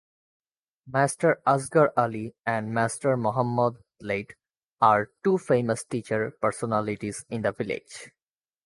Master Asghar Ali and Master Mehmood(late) are two famous teacher personalities in the village.